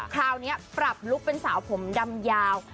คราวนี้ปรับลุคเป็นสาวผมดำยาว